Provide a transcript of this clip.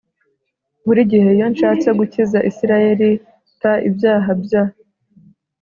Buri gihe iyo nshatse gukiza Isirayeli t ibyaha bya